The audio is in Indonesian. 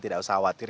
tidak usah khawatir